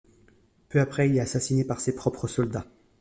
Peu après, il est assassiné par ses propres soldats.